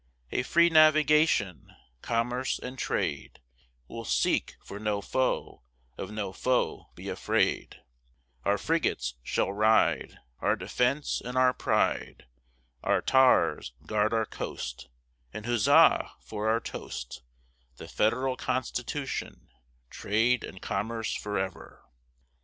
A free navigation, commerce, and trade, We'll seek for no foe, of no foe be afraid; Our frigates shall ride, Our defence and our pride; Our tars guard our coast, And huzza for our toast The Federal Constitution, trade and commerce forever.